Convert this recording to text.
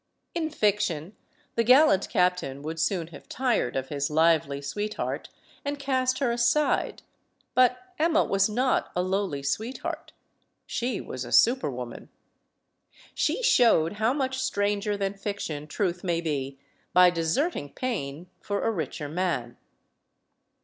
In fiction, the gallant captain would soon have tired of his lively sweetheart and cast her aside. But Emma was not a lowly sweetheart. She was a super woman. She showed how much stranger than fiction truth may be by deserting Payne for a richer man.